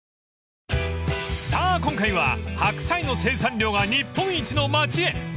［さあ今回は白菜の生産量が日本一の町へ］